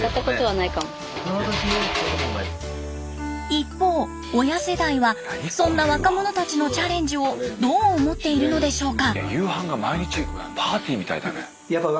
一方親世代はそんな若者たちのチャレンジをどう思っているのでしょうか？